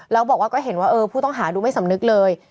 แล้วบอกว่าก็เห็นว่าเออผู้ต้องหาดูไม่สำนึกเลย